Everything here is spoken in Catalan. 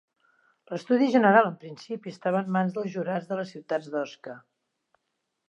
L'Estudi General, en principi, estava en mans dels jurats de la ciutat d'Osca.